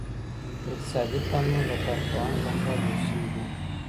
اقتصادي پلانونه د کارپوهانو لخوا جوړ سوي دي.